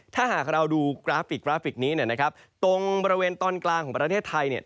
ถ้าหากเราดูกราฟิกกราฟิกนี้เนี่ยนะครับตรงบริเวณตอนกลางของประเทศไทยเนี่ย